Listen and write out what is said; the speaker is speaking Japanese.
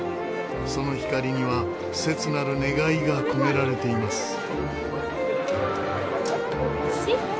その光には切なる願いが込められています。